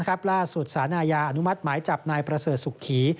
แป๊บล่าสุดสานายาอนุมัติหมายจับนายประเสริฐศุกข์ขี่